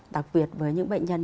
đặc biệt với những bệnh nhân